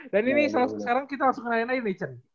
dan ini sekarang kita langsung nanya aja nih cen